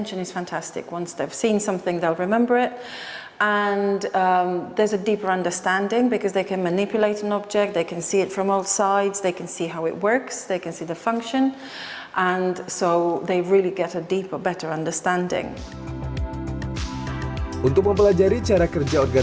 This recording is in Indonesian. untuk mempelajari cara kerja organ